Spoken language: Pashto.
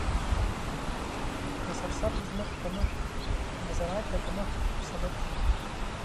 د سرسبزو ځمکو کمښت د زراعت د کمښت سبب کیږي.